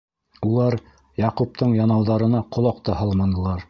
Улар Яҡуптың янауҙарына ҡолаҡ та һалманылар.